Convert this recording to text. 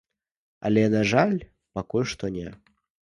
Але, на жаль, пакуль што не.